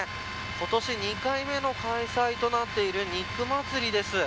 今年２回目の開催となっている肉祭です。